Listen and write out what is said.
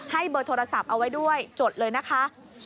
เบอร์โทรศัพท์เอาไว้ด้วยจดเลยนะคะ